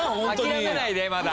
諦めないでまだ。